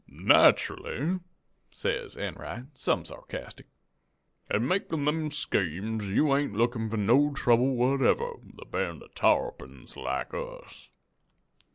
"'Nacherally,' says Enright, some sarcastic, 'in makin' them schemes you ain't lookin' for no trouble whatever with a band of tarrapins like us.'